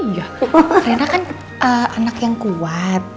ya rena kan anak yang kuat